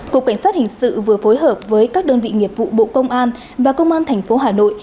cục cảnh sát hình sự vừa phối hợp với các đơn vị nghiệp vụ bộ công an và công an thành phố hà nội